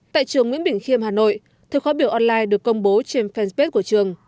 tại trường nguyễn bình khiêm hà nội theo khóa biểu online được công bố trên fanpage của trường